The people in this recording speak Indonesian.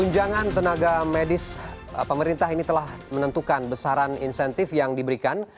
tunjangan tenaga medis pemerintah ini telah menentukan besaran insentif yang diberikan